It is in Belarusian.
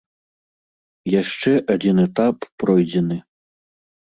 Яшчэ адзін этап пройдзены.